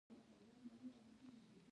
بادام د ټولو افغان ښځو په ژوند کې رول لري.